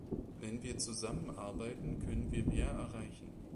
Wenn wir zusammenarbeiten, können wir mehr erreichen.